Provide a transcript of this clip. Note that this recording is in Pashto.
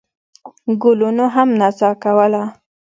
ګلونو هم نڅا کوله.